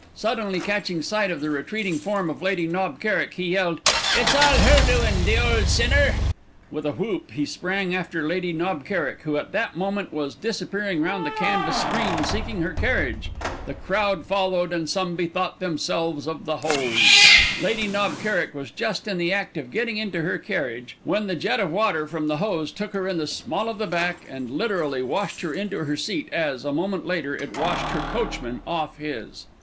Suddenly catching sight of the retreating form of Lady Knob Kerrick, he yelled, "It's all her doin', the old sinner." With a whoop he sprang after Lady Knob Kerrick, who at that moment was disappearing round the canvas screen seeking her carriage. The crowd followed, and some bethought themselves of the hose. Lady Knob Kerrick was just in the act of getting into her carriage when the jet of water from the hose took her in the small of the back and literally washed her into her seat as, a moment later, it washed her coachman off his.